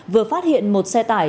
vừa phát hiện một xe tải